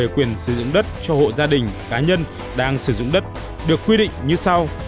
quyền sử dụng đất cho hộ gia đình cá nhân đang sử dụng đất được quy định như sau